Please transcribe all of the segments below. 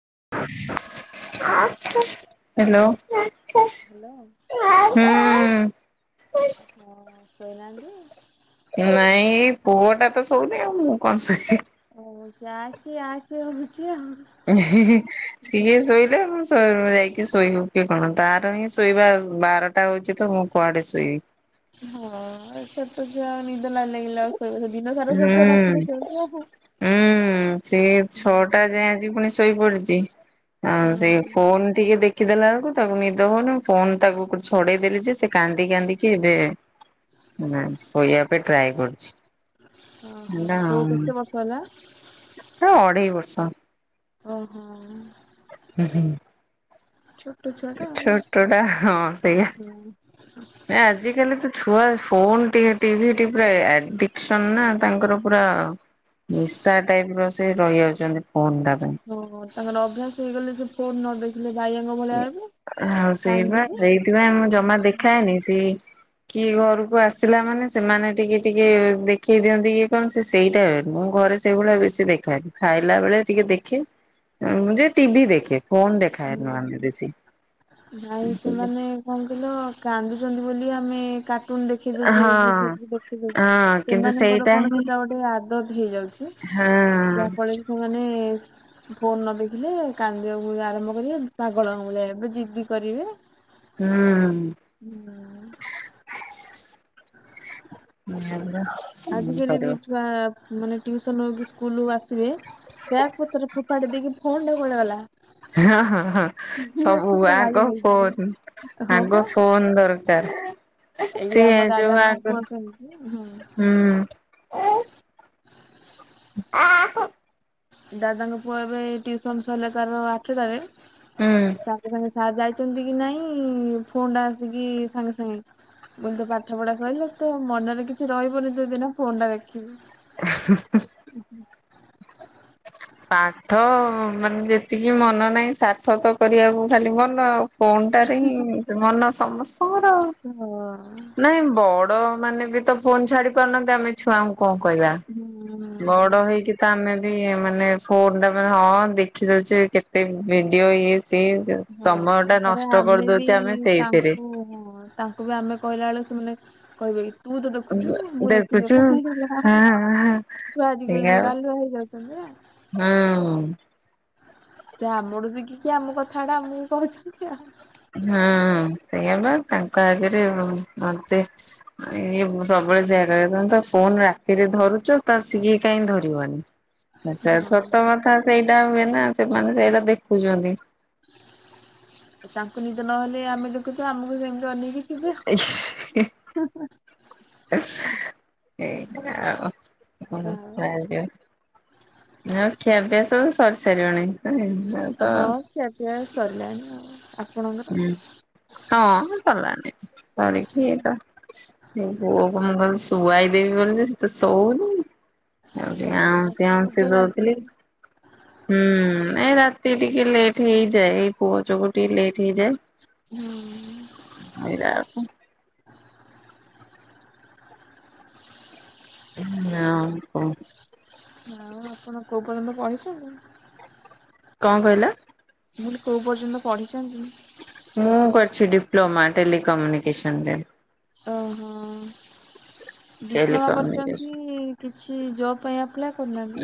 Hello hello ହୁଁ। ହଁ ଶୋଇନାହାନ୍ତି ନାଇଁ ଏ ପୁଅ ଟା ତ ଶୋଉନି ଆଉ ମୁଁ କଣ ଶୋଇବି ହଉଛି ଆସି ଆସି ହଉଛି ଆଉ [unintelligible] ହେ ହେଁ ସିଏ ଶୋଇଲେ ତୋ ରୁମ ରେ ଯାଇକି ଶୋଇବୁ କି କଣ ତାର ହିଁ ଶୋଇବା ବାରଟା ହଉଛି ତ ମୁଁ କୁଆଡେ ଶୋଇବି ହଁ ଏଥର ଛୋଟ ଛୁଆ ନିଦ ନ ଲାଗିଲେ ଶୋଇବ ଦିନ ସାରା ଶୋଉଥିବ ରାତିରେ ହୁଁ ଚେଉଁଥିବ ଆଉ। ହୁଁ ସେ ହୁଁ ଛଅଟା ଯାଏ ଆଜି ପୁଣି ଶୋଇ ପଡିଛି ସେ ହୁଁ ଫୋନ ଟିକେ ଦେଖ ଦେଖିଦେଲା ବେଳକୁ ତାକୁ ନିଦ ହଉନି ମୁଁ ଫୋନ ତାକୁ ଛଡେଇଦେଲି ଯେ ସେ କାନ୍ଦି କାନ୍ଦି ଏବେ ନାଇ ଶୋଇବା ପାଇଁ ଟ୍ରାଏ କରୁଛି। ଓହୋ ହେରା ପୁଅ କେତେ ବର୍ଷ ହେଲା? ଅଢେଇ ବର୍ଷ ଓ ହୋ ହୁଁ ଛୁଆ ହୁଁ ଟା ଆଉ। ଛୋଟଟା ସେଇଆ ହଁ ଆଜିିକାଲି ତ ଛୁଆ ଫୋନ ଟି ଟିଭି ଟି ପୁରା ଆଡିକସନ ନା ତାଙ୍କର ପୁରା ନିଶା ଟାଇପ ର ସେ ରହିଯାଉଛନ୍ତି ଫୋନ ଟା ପାଇଁ। ହଁ ତାଙ୍କର ଅଭ୍ୟାସ ହେଇଗଲେ ସେ ଫୋନ ନ ଦେଖିଲେ ବାଇଆଙ୍କ ଭଳିଆ ହେବେ ଆଉ ସେଇ ବା କାନ୍ଦିବେ। ସେଇଥିପାଇଁ ମୁଁ ଜମା ହୁଁ। ଦେଖାଏନି ସେ କିଏ ଘରକୁ ଆସିଲା ମାନେ ସେମାନେ ଟିକେ ଟିକେ ଦେଖେଇ ଦିଅନ୍ତି କି କଣ ସେ ସେଇଟା ମୁଁ ଘରେ ସେଇଭଳିଆ ବେଶୀ ଦେଖାଏ ନି ଖାଇଲା ବେଳେ ଟିକେ ଦେଖେ ଯେ ଟିଭି ଦେଖେ ଫୋନ ଦେଖେ ହୁଁ ଭାଇ ସେମାନେ କଣ କହିଲ କାନ୍ଦୁଛନ୍ତି ବୋଲି ଆ ଆମେ କାର୍ଟୁନ ଦେଖି ଦଉଛି ହଁ। ଦେଖି ଦଉଛି ହଁ କିନ୍ତୁ ସେମାନଙ୍କର ସେଇଟା କଣ ହିଁ ସେଟା ଗୋଟେ ଆଦତ ହେଇଯାଉଛି। ହଁ। ଯାହା ଫଳରେ କି ସେମାନେ ଫୋନ ନ ଦେଖିଲେ କାନ୍ଦିବାକୁ ଆରମ୍ଭ କରିବେ ପାଗଳ ଭଳିଆ ଯିଦି କରିବେ ହୁଁ ନାଁ ଆ ଆଜି କାଲି ବି ଛୁଆ ମାନେ ଟିୟୁସୁନ୍ ହଉ କି ସ୍କୁଲ ଆସ ଥିବେ ବ୍ୟାଗ ପତରେ ଫୋପାଡି ଦେଇକି ଫୋନ୍ ଟା କୁଆଡେ ଗଲା ହ ହ ହ ମୁଁ ସବୁ ଆସି ପୁରା ଉଆଗ ବାଇଆ ହେଇଯିବି ଫୋନ୍ ହଁ ପା ଆଗ ଫୋନ ଦର କାର। ଏଇ ସେ ଆମ ଯୋଉ ଦାଦାଙ୍କ ପୁଅ ଆଗରୁ ସେମିତି ହୁଁ। ହୁଁ ଆ ଦାଦାଙ୍କ ପୁଅ ଏବେ ଟିୟୁସୁନ୍ ସରିଲା ତାର ଆଠଟାରେ ସାଙ୍ଗେ ସାଙ୍ଗେ ସାର ଯା ଛନ୍ତି କି ନାଇଁ ଫୋନ ଟା ଆସିକି ସାଙ୍ଗେ ସାଙ୍ଗେ ମୁଁ କଇନି ତୋ ପାଠ ପଢା ସଇଲେ ତ ମନରେ କିଛି ରହିବନି ତୋ ଦିନ ଫୋନ ଟା ଦେଖ। [inaudible] [inaudible] ପାଠ ମାନେ ଯେତିକି ମନ ନାହିଁ ସାଠ ତ କରିବାକୁ ଖାଲି ମନ ଆଉ। ଫୋନ୍ଟାରେ ହିଁ ମନ ସମସ୍ତଙ୍କର ଆଉ, ହଁ। ନାଇଁ ବଡ ମାନେ ତ ଫୋନ୍ ଛାଡି ପାରୁନାଆନ୍ତି ଆମେ ଛୁଆଙ୍କୁ କଣ କହିବା ହୁଁ। ବଡ ହେଇକି ତ ଆମେ ଇଏ ମାନେ ଫୋନ ଟା ମାନେ ହଁ ଦେଖି ଦଉଛେ କେତେ ଭିଡିଓ ଇଏ ସିଏ ହଁ ସମୟ ଟା ତାହେନେ ନଷ୍ଟ ଆମେ ବି କରିଦଉଛେ ଆମେ ସେଇଥିରେ। ତାଙ୍କୁ, ତାଙ୍କୁ ବି ଆମେ କହିଲା ବେଳକୁ କହିବ କିି? ତୁ ତ ଦେଖୁଚୁ ମୁଁ ଦେଖିନେ ଦେଖୁଛୁ କଁ ହେଇଗଲା ହା ହଁ ହା ହଁ ଛୁଆ ଆଜିକାଲି ସେଇଆ ଯୋଉ ଗାଲୁଆ ହେଇଯାଉଛନ୍ତି ନା। ହୁଁ। ସେ ଆମଠୁ ଦେଖିକି ଆମ କଥାଟା ଆମକୁ କହୁଛନ୍ତି ଆଉ। ହୁଁ ସେୟା ବା ତାଙ୍କ ଆଗରେ ମ୍ ମତେ ଇ ସ ସବୁବେଳେ ସେୟା କହିବେ ତମେ ତ ଫୋନ ରାତିରେ ଧରୁଛ ତ ସୀଏ କାଇହିଁ ଧରିବନି। ସେ ହଁ। ସତ କଥା ସେଇଟା ହୁଏ ନା ସେମାନେ ସେଇଟା ଦେଖୁଛନ୍ତି। ତାଙ୍କୁ ନିଦ ନହେଲେ ଆମେ ଦେଖୁଛୁ ଆମକୁ ସେମିତି ଅନେଇକି ଥିବେ ହିଁ ହିଁ। ଏଇ ଆ [unintelligible] ଆଉ ଖିଆପିଆ ସବୁ ସରି ସାରିବଣି। ତ ହଁ ଖୀଆପିଆ ସରିଲାଣି ଆ। ହୁଁ ହଁ ସରିଲାଣି। [unintelligible] ମୋ ପୁଅକୁ ମୁଁ ଭାବିଲି ଶୁଆୟୀ ଦେବି ବୋଲି ଯେ ସିଏ ତ ଶୋଉନି। ଆ ହଁ ମତେ ଆଉଁସି ଆଉଁସି ନିଦ ଦଉଥିଲି, ଲାଗିଲାଣି। ହୁଁ ଏ ରାତି ଏତେ ଟିକେ ଲେଟ୍ ହେଇଯାଏ ଏଇ ପୁଅ ଯୋଗୁ ଟିକେ ଲେଟ୍ ଠିଜା ହୁଁ ସରିଲା ବେଳକୁ। [unintelligible] ହଁ ଆପଣ କୋଉ ପର୍ଯ୍ୟନ୍ତ ପଢିଛନ୍ତି? କଣ କହିଲା? ମୁଁ କହିଲି କୋଉ ପର୍ଯ୍ୟନ୍ତ ପଢିଛନ୍ତି? ମୁଁ କରିଛି ଡିପ୍ଲୋମା ଟେଲିିକମ୍ୟୁନିକେସନ ରେ। ଓହୋ ଡିପ୍ଲୋମା ଟେଲିକମ୍ୟୁନିକେସନ କରୁଛନ୍ତି କିଛି ଜବ୍ ପାଇଁ ଆ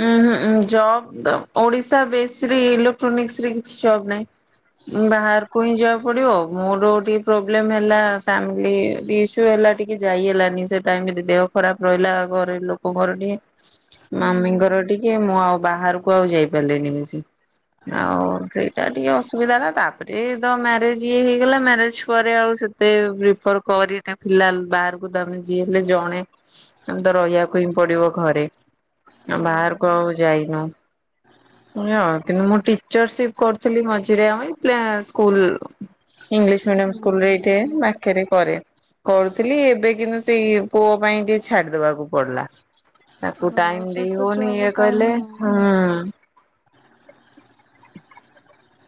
ଉଁ ହଁ ଉଁ ଜବ୍ ଓଡିଶା ବସରେ ଇଲେକ୍ଟ୍ରୋନିକ୍ସରେ କିଛି ଜବ୍ ନାହିଁ। ବାହାରକୁ ହିଁ ଯିବା ପଡିବ ମୋର ଟିକେ ପ୍ରୋମ୍ୱଲେମ୍ ହେଲା ଫାମିଲି ଇସୁ ହେଲା ଟିକେ ଯାଇ ହେଲାନି ସେ ଟାଇମ୍ ରେ ଦେହ ଖରାପ ରହିଲା ଘର ଲୋକଙ୍କର ଟିକେ ହୁଁ ମାମି ହୁଁ। ଘର ଟିକେ ମୁଁ ଆଉ ବାହାରକୁ ଆଉ ଯାଇ ପାରିଲିିନି ବେସି। ଆଉ ସେଇଟା ଟିକେ ଅସୁବିଧା ହେଲା ତାପରେ ତ ମ୍ୟାରେଜ ଇଏ ହେଇଗଲା ମ୍ୟାରେଜ ପରେ ଆଉ ସେତେ ପିଫର କରି ନଥିଲା ବାହାରକୁ ଦ ଯିଏ ହେଲେ ଜଣେ ଦ ରହିବାକୁ ପଡିବ ଘରେ ହ [unintelligible] ବାହାର କୁ ଆଉ ଯାଇନୁ। ଅ ମୁଁ ଟିଚରସିପ କରିଥିଲି ମଝିରେ ଅ ପ୍ଲେ ସ୍କୁଲ। ଇଂଲିଶ ମିଡିୟମ ହୁଁ ସ୍କୁଲ ରେ ହୁଁ ଏଠେ ହୁଁ ପାଖରେ କରେ। କରୁଥିଲି ଏବେ କିନ୍ତୁ ସେଇ ପୁଅ ପାଇଁ ଟିକେ ଛାଡିଦବାକୁ ପଡିଲା। ତାକୁ ହଁ ଟାଇମ ଦେଇ ଛୋଟ ହଉନି ଛୁଆଙ୍କ ଇଏ ଟାଇମ୍ କହିଲେ ହଁ। ହୁଁ।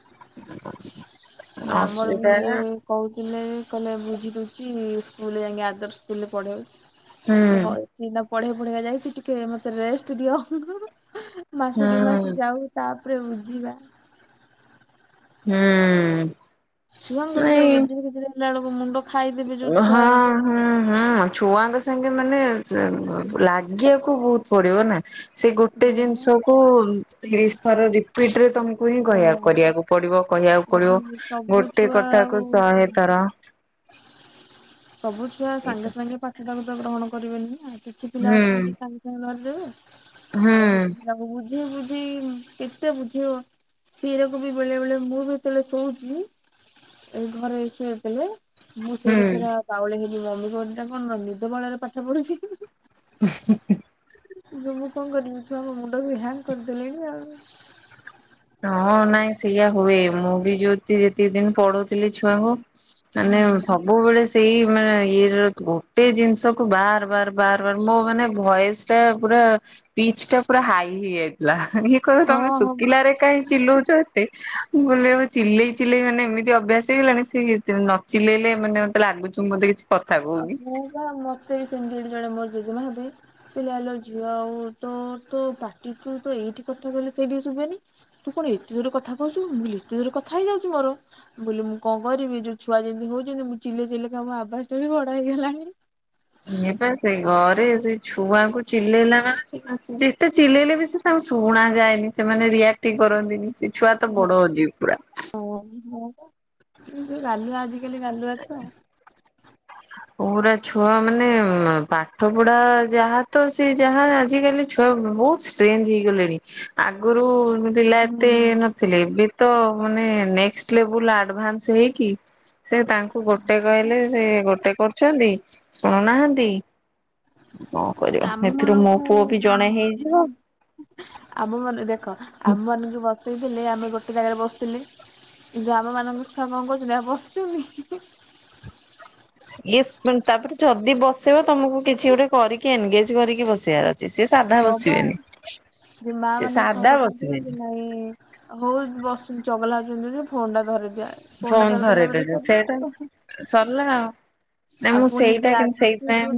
ହ [unintelligible] ଆମର ବି ଇଏ କହୁଛି କହିଲେ କଲେ ବୁଝି ଦଉଛି ସ୍କୁଲ ଯାଇ ଆଦର୍ ସ୍କୁଲ ରେ ପଢେଇ। ହୁଁ ହଇ ଏଇନା ପଢେଇ ପଢେଇକା ଯାଇଛିି ଟିକେ ମତେ ରେଷ୍ଟ ଦିଅ ହିଁ ହିଁ। ହିଁ ମାସ ହୁଁ ଦି ମାସ ଯାଉ ତାପରେ ବୁଝିବା। ହୁଁ-ଉ-ଉ-ଉ। ଚୁଆଙ୍ଗ ଗତେ ଗଜି ଗଜ୍ର ଏଳ ମୁଣ୍ଡ ଖାଇଦେବେ ଯୋଉ ଛୁଆର। ହଁ ହଁ ହଁ। ଛୁଆଙ୍କ ସାଙ୍ଗେ ମାନେ ଲାଗିବାକୁ ବହୁତ ପଡିବ ନା ସେ ଗୋଟେ ହଁ ବା ଜିନିଷ କୁ ତିରିଶ ଥର ରିପିଟ ରେ ତ କ ହିଁ ହଁ କହିବାକୁ କରିବାକୁ ପଡିବ କହିବାକୁ ପଡିବ ମାନେ ସବୁ ଗୋଟେ ଛୁଆ କଥା ଆଉ କୁ ଶହେଥର ସବୁ ଛୁଆ ସାଙ୍ଗେ ସାଙ୍ଗେ ପାଠଟାକୁ ତ ଗ୍ରହଣ କରିବେନି ଆଉ କିଛି ପିଲା ହୁଁ ଅଛନ୍ତି ସାଙ୍ଗେ ସାଙ୍ଗେ ଧରି ଦେବେ। ହୁଁ ଆଉ କେତେ ପିଲାକୁ ବୁଝେଇ ବୁଝେଇ କେତେ ବୁଝେଇବ? ସିରାକୁ ବି ବେଳେ ବେଳେ ମୁଁ ଯେତଳେ ଶୋଉଛି ଏ ଘରେ [unintelligible] ମୁଁ ସେଇରା ହୁଁ ସେଇରା ବାଉଳି ହେଇକି ମମି କୁହନ୍ତି କଣ ନିଦବାଉଳାରେ ପାଠ ପଢୁଛି। [unintelligible] ମୁଁ କଣ କରିବି ଛୁଆ ମୋ ମୁଣ୍ଡବି ହ୍ୟାଙ୍ଗ କରିଦେଲିଣି ଆଉ ହଁ ନାଇଁ ସେଇଆ ହୁଏ ମୁଁ ବି ଯୋଉ ଯେତିକି ଦିନ ପଢ଼ଉଥିଲି ଛୁଆଙ୍କୁ ମାନେ ସବୁବେଳେ ସେ ସେଇ ମାନେ ଇଏର ଗୋଟେ ଜିନିଷକୁ ବାର ବାର ବାର ମୋ ମାନେ ଭଏସ ଟା ପୁରା ପିଚ ଟା ପୁରା ହାଇ ହେଇଯାଇଥିଲା ଇ କହିବେ ହଁ ତମେ ହଁ ଶୁଖିଲାରେ ଚିଲଉଚ ଏତେ। ମୁଁ କହିଲି ଆ ଚିଲେଇ ଚିଲେଇ ମାନେ ଏମିତି ଅଭ୍ୟାସ ହେଇଗଲାଣି ସେ ନ ଚିଲେଇଲେ ମାନେ ମତେ ଲାଗୁଛି ମତେ କିଛି କଥା ଆ କହୁନି। ମୁଁ ମତେ ବି ସେ ଜଣେ ମୋର ଜେଜେମା ହେବେ କହିଲେ ଆଲୋ ଝିଅ ତୋ ତୋ ପାଟିଚୁଏଇଠି କଥା କହିଲେ ଶୁ ସେ ଟିଭସୁନଏନ ହୁଏନି ତୁ କଣ ଏତେ ଜୋର କଥା କହୁଛି ମୁକହିଲି ଏତେ ଜୋର କଥା ହେଉ ଯାଉଛି ମୋର। ମୁଁ କଣ କରିବି ଯୋଉ ଛୁଆ ଯେମିତି ହଉଛନ୍ତି ମୁଁ ଚିଲେଇ ଚିଲେଇ ମୋ ଆବାସ ଟା ବି ବଡ ହେଇଗଲାଣି। ଏଇ ପା ସେଇ ରେ ସେ ଛୁଆଙ୍କୁ ଚିଲେଇଲା ମାନେ ଯେତେ ଚିଲେଇଲେ ବି ସେ ତାଙ୍କୁ ଶୁଣା ଯାଏନି ସେମାନେ କ୍ରେୟାର ଟିକେ କରନ୍ତିନି ସେ ଛୁଆ ତ ବଡ ଅଛି ପୁରା। ହଁ ବା ଗାଲୁଆ ଆଜିକାଲି ଗାଲୁଆଛୁଆ। ପ ପୁରା ଛୁଆ ମାନେ ପାଠ ପଢା ଯାହା ତ ସେ ଯାହା ଆଜିିକାଲି ଛୁଆ ବହୁତ ଷ୍ଟ୍ରେଞ୍ଜ ହେଇଗଲେଣି ଆଗରୁ ପିଲା ଏତେ ହୁଁ ନଥିଲେ ଏବେ ତ ମାନେ ନେକ୍ସ ଲେବୁଲ ଆଡଭାନ୍ସ ହେଇକି ସେ ତାଙ୍କୁ ଗୋଟେ ହଁ ବା କହିଲେ ସେ ଗୋଟେ କରୁଛନ୍ତି ଶୁଣୁନାହାନ୍ତି। କଣ କରିବ ଆମ ଏଥିରୁ ମୋ ମାନଙ୍କୁ ପୁଅ ବି ଜଣେ ହେଇଯିବ। ଆମ ମାନେ ଦେଖ ଆମ ମାନଙ୍କୁ ବସେଇଥିଲେ ଆମେ ଗୋଟେ ଜାଗାରେ ବସିଥିଲେ। ଗ୍ରାମ ମାନଙ୍କ ଛୁଆ କଣ କରୁଛନ୍ତି ଆମେ ବସିଛନ୍ତି। ଏ ତାପରେ ଯଦି ବସେଇିବ ତମକୁ କିଛି ଗୋଟେ କରିକି ଏନଗେଜ କରିକି ବସେଇବାର ଅଛି। ସେ ସାଧା ବସିବେନି। ସେ ମା ମାନେ କଣ କରି [unintelligible] ଚଗଲା ହଉଛନ୍ତି ଫୋନ ଟା ଧରେ ଫୋନ୍ ଧରଇ ଦେଲୁ ସେତ ସରିଲା ଆଉ ଯେ ସେଇଟା ସଲ ଆଉ ପୁଣି ଯଦି ଆଦତ ହେଇଯିବ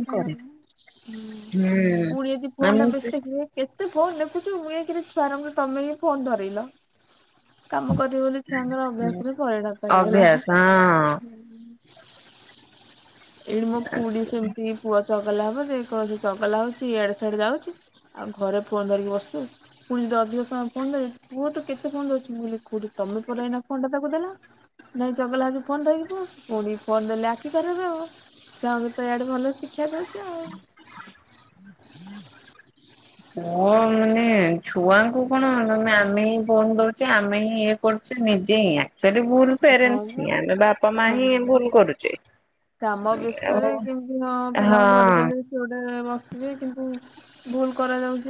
ହୁଁ ନା ମୁଁ ସେ [unintelligible] କେତେ ଫୋନ ଦେଖୁଛୁ ଏକରେ ଛୁଆରଙ୍କୁ ତମେ ହିଁ ଫୋନ ଥରେଇଲ। କାମ କରିବି ବୋଲି ଛୁଆଙ୍କର ଅଭ୍ୟାସରେ ପରିଣତ ହେଇଗଲା। ଅଭ୍ୟାସ [inaudible] ଏଠି ମୋ ଖୁଡି ହଁ ସେମିତି ପୁଅ ଚଗଲା ହଉଛି କହୁଛି ଚଗଲା ହଉଛି ଏଡେ ସିଆଡେ ଯାଉଛି। ଆଉ ଘରେ ଫୋନ ଧରିକି ବସୁଛୁ ପୁଣି ଦଧୂଆପାଫେନରେ ପୁହ ତ କେତେ ଫେନ ଅରୁଛି ମୁଁ କହିଲି ଖୁଡି ମଇ ଫୋନ ଟା ତାକୁ ଦେଲା ନାଇଁ ଚଗଲା ହେଲେ ଫୋନ ଟା ଧରିବ ପୁଣି ଫୋନ୍‌ ନେଲେ ଆତ୍ମ କରିବି ଆଉ ଛୁଆଙ୍କୁ ତ ଆଡ଼େ ଭଲ ଶିକ୍ଷା ଦେଉଛି [inaudible] ହୁଁ [unintelligible] ପୁଅ ମାନେ ଛୁଆଙ୍କୁ କଣ ମାନେ ଆମେ ହିଁ ଫୋନ ଦଉଛେ ଆମେ ହିଁ ଇଏ କରୁଛେ ନିଜେ ହିଁ ଆକ୍ଟୁଲି ଫେର ଭୁଲ ହଁ ବା ପ୍ୟାରେଣ୍ଟ ହ ଆମେ ବାପା ମା ହଁ। ହିଁ ଭୁଲ କରୁଛେ। କାମ ବ୍ୟସ୍ତରେ ଆଉ କେମିତି ହଁ ପିଲାଙ୍କୁ ହଁ ଧରିଦେଲେ ସେ ଗୋଟେ ବସିଥିବେ କିନ୍ତୁ ଭୁଲ କରାଯାଉ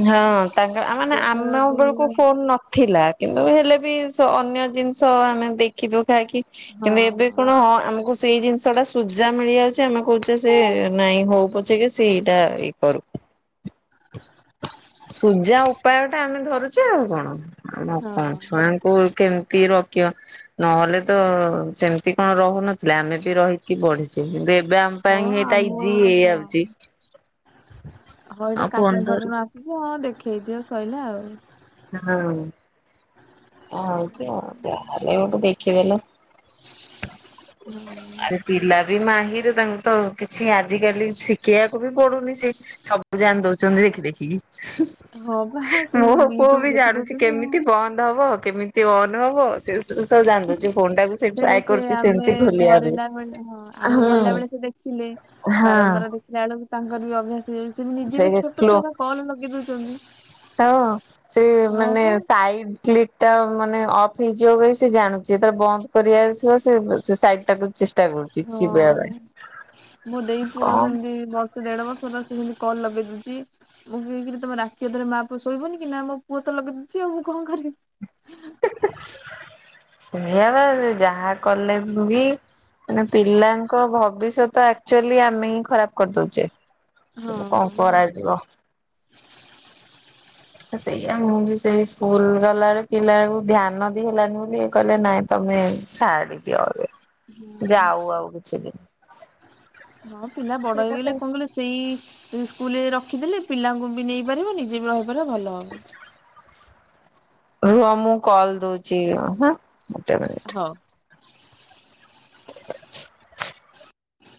ଇଁ ହଁ ତାଙ୍କ ଆ ମାନେ ସେଟା ଆମ ବି ବେଳକୁ ଫୋନ ନଥିଲା କିନ୍ତୁ ହେଲେ ବି ସ ଅନ୍ୟ ଜିନିଷ ଆମେ ଦେଖି ଦଉ ଖାଇକି କିନ୍ତୁ ଏବେ କଣ ହଁ ଆମୁକୁ ସେଇ ଜିନିଷ ଟା ସୁଜା ମିଳିଯାଉଛି ଆମେ କହୁଛେ ସେ ନାଇଁ ହଉ ପଛେକେ ସିଏ ଏଇଟା ଇ କରୁ। [inaudible] ସୁଜା ଉପାୟ ଟା ଆମେ ଧରୁଛେ ଆଉ କଣ। ଆଉ କଣ ହଁ। ଛୁଆଙ୍କୁ କେମ କିଏ ରଖିବ ନହେଲେ ତ ସେମିତି କଣ ରହୁନ ଲେ ଆମେ ବି ରହିକି ବଢିଛେ କିନ୍ତୁ ଏବେ ଆମ ହଁ ପାଇଁ ସେଇଟା ଆମ ଇଜି ବେଳକୁ ହଁ ହେଇଯାଉଛି। ହଁ ଏଇଟା ଆଉ ଫୋନ କାର୍ଟୁନ ଧରି ଫାଟୁନ ଆସୁଛି ହଁ ଦେଖେଇ ଦିଅ ସଇଲା ଆଉ। ହଁ ଆଉଚି ଆ ହଉଚି ଆଉ ଯାହା ହେଲେ ଗୋଟେ ଦେଖିଦଲ। ଆରେ ପିଲା ବି ମାହିର୍। ତାଙ୍କୁ ତ କିଛି ଆଜିକାଲି ଶିଖେଇଆକୁ ବି ପଡୁନି ସେ ସବୁ ଜାଣି ଦଉଚନ୍ତି ଦେଖି ଦେଖିକି। ହଁ ବା ସେଇ ମି ମୁଁ ବି ଜାଣୁଛି କେମିତି ବନ୍ଦ ହବ କେମିତି ଅନ୍ ହବ ସେ ସେ ସବୁ ଜାଣିଦଉଚି ଫୋନ ଟା ବି ସେ ସେଇଟା ଟ୍ରାଏ କରୁଚି ଆମେ ସେମତି ଖୋଲିବା ପାଇଁ ଧରିଲା ଆ ହଁ। ତୁଲେ ବାରମ୍ବାର ଦେଖିଲା ବେଳକୁ ତାଙ୍କର ବି ଅଭ୍ୟାସ। [unintelligible] ସେ ନିଜେ ବି ଛୋଟ ଛୁଆଗୁଡା କଲ ବି ଲଗେଇ ଦଉଚନ୍ତି। ହଁ ସେ ମାନେ ସାଇଡ୍ କ୍ଲିକ୍ ଟା ମାନେ ଅଫ୍ ହେଇଯିବ ବୋଲି ସେ ଜାଣୁଚୀ ଯେତେବେଳେ ବନ୍ଦ କରିବାର ଥିବ ସେ ଉ ସେ ସାଇଡ୍ ଟାକୁ ଚେସ୍ ହଁ ମୋ ଦେଇ ପୁଅ କଣ ସେମତି ବର୍ଷେ ଦେଢ ବର୍ଷର ସେ ସେମତି କଲ ଲଗେଇ ଦଉଚି। ମୁଁ କହିଲି ଇରେ ତମେ ରାତି ଅଧରେ ମାଆ ପୁଅ ଶୋଇବନି କି ନା ମୋ ପୁଅ ତ ଲଗେଇ ଦଉଛି ଆଉ ମୁଁ କଣ କରି ହୁଁ। ସେଇଆ ବା ସେ ଯାହା କଲେ ଉଁ ବି ମାନେ ପିଲାଙ୍କ ଭବିଷ୍ୟତ ଆକ୍ଚୋଲି ଆମେ ହିଁ ଖରାପ କରିଦଉଛେ। ହୁଁ କଣ ହଁ। କରାଯିବ। ତ ସେଇଆା ମୁଁ ବି ସେଇ ସ୍କୁଲ ଗଲାବେଳେ ପିଲାକୁ ଧ୍ୟାନ ଦେଇ ହେଲାନି ବୋଲି କହିଲେ ନାଇଁ ତମେ ଛାଡି ଦିଅ ଅ ଯାଉ ଆଉ କିଛି ଦିନି। ହଁ ପିଲା ବଡ ହେଇଗଲେ କଣ କହିଲ ସେଇ ଯଦି ସ୍କୁଲ ରେ ରଖିଦେଲେ ପିଲାଙ୍କୁ ବି ନେଇପାରିବ ନିଜେ ବି ରହିପାରିବ ଭଲ ହବ। ରୁହ ମୁଁ କଲ ଦଉଛି ହଁ ଗୋଟେ ମିନିଟ୍। ହଉ।